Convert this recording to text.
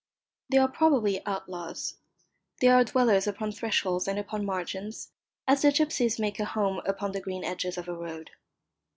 They are probably outlaws. They are dwellers upon thresholds and upon margins, as the gipsies make a home upon the green edges of a road.